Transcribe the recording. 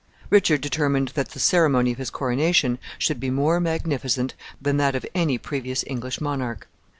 Richard determined that the ceremony of his coronation should be more magnificent than that of any previous English monarch.